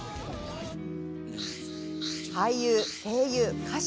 俳優、声優、歌手。